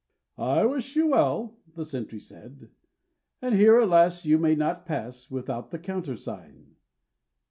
'I wish you well,' the sentry said, But here, alas! you may not pass Without the countersign.'